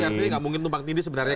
jadi gak mungkin tumpang ini sebenarnya